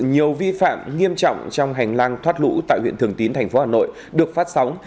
nhiều vi phạm nghiêm trọng trong hành lang thoát lũ tại huyện thường tín thành phố hà nội được phát sóng